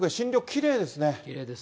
きれいですね。